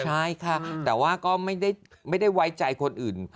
ใช่ค่ะแต่ว่าก็ไม่ได้ไว้ใจคนอื่น